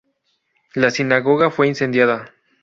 La sinagoga fue incendiada.